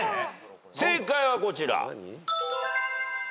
正解はこちら。